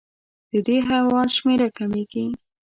د دې حیوان شمېره کمېږي.